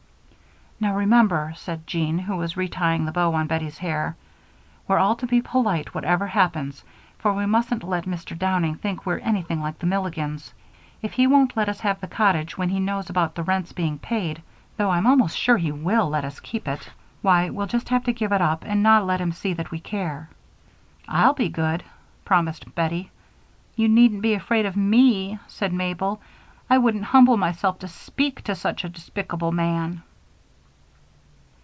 "Now, remember," said Jean, who was retying the bow on Bettie's hair, "we're all to be polite, whatever happens, for we mustn't let Mr. Downing think we're anything like the Milligans. If he won't let us have the cottage when he knows about the rent's being paid though I'm almost sure he will let us keep it why, we'll just have to give it up and not let him see that we care." "I'll be good," promised Bettie. "You needn't be afraid of me," said Mabel. "I wouldn't humble myself to speak to such a despisable man."